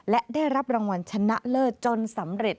และได้รับรางวัลชนะเลิศจนสำเร็จ